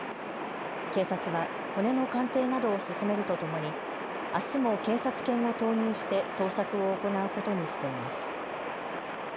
警察は骨の鑑定などを進めるとともにあすも警察犬を投入して捜索を行うことにしています。